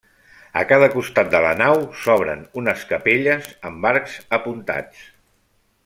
A cada costat de la nau s'obren unes capelles amb arcs apuntats.